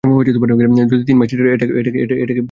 যদি তিন মাসে এটাকে বানাতে বলি, তো?